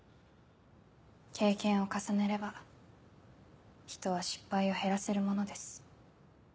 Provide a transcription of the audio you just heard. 経験を重ねれば人は失敗を減らせるものです。